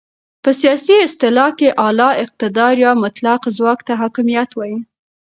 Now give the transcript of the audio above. په سیاسي اصطلاح کې اعلی اقتدار یا مطلق ځواک ته حاکمیت وایې.